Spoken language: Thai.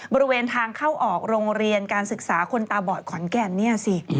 บริเวณทางเข้าออกโรงเรียนการศึกษาคนตาบอดขอนแก่นเนี่ยสิ